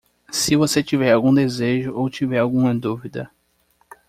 Se você tiver algum desejo ou tiver alguma dúvida